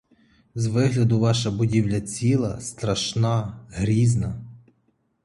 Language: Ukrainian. З вигляду ваша будівля — ціла, страшна, грізна.